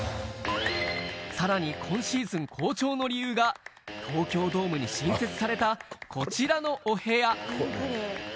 さらに今シーズン、好調の理由が、東京ドームに新設された、こちらのお部屋。